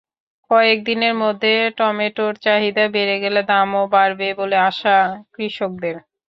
কয়েক দিনের মধ্যে টমেটোর চাহিদা বেড়ে গেলে দামও বাড়বে বলে আশা কৃষকদের।